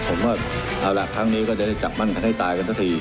ผมก็เอาล่ะครั้งนี้ก็จะจับมั่นให้ตาย